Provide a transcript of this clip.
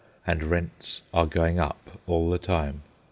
And rents are going up all the time.